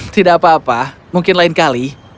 tidak apa apa mungkin lain kali